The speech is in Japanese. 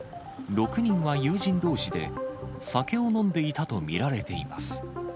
６人は友人どうしで、酒を飲んでいたと見られています。